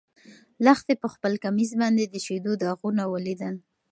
لښتې په خپل کمیس باندې د شيدو داغونه ولیدل.